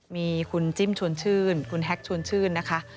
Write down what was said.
มีคุณจิ้มชวนชื่นคุณแฮกชวนชื่นนะคะ